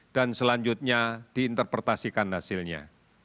dan selanjutnya diinterpretasikan hasilnya